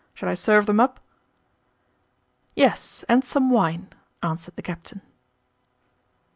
"Shall I serve them up?" "Yes, and some wine," answered the captain.